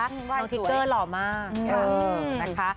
น้องทิเกอร์หล่อมาก